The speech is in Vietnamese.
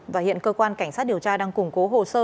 và hiện cơ quan cảnh sát điều tra đang củng cố hồ sơ